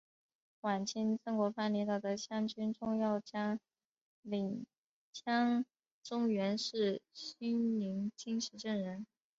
晚清曾国藩领导的湘军重要将领江忠源是新宁金石镇人。